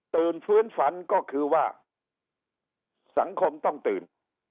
ฟื้นฝันก็คือว่าสังคมต้องตื่น